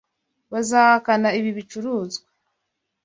Bazahakana ibi bicuruzwa.